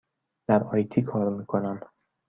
در آی تی کار می کنم.